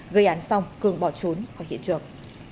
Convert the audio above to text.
gây án xong cường bỏ trốn qua hiện trường